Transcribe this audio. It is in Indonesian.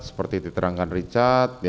seperti diterangkan richard